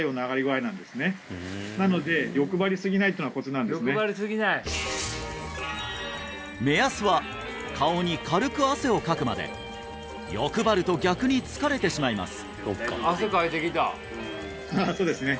それで大体なので目安は顔に軽く汗をかくまで欲張ると逆に疲れてしまいますそうですね